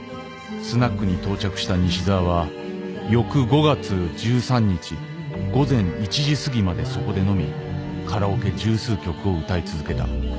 スナックに到着した西沢は翌５月１３日午前１時すぎまでそこで飲みカラオケ十数曲を歌い続けた。